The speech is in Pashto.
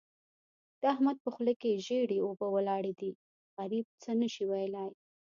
د احمد په خوله کې ژېړې اوبه ولاړې دي؛ غريب څه نه شي ويلای.